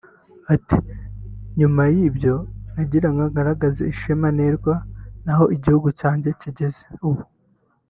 Ati “ Nyuma y'ibyo nagirango ngaragaze ishema nterwa naho igihugu cyanjye kigeze ubu